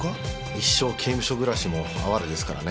一生刑務所暮らしも哀れですからね。